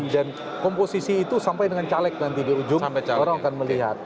dan komposisi itu sampai dengan caleg nanti di ujung orang akan melihat